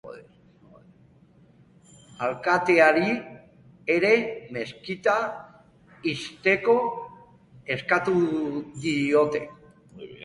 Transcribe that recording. Alkateari ere meskita ixteko eskatu diote.